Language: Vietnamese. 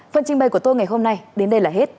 phần trình bày của tôi ngày hôm nay đến đây là hết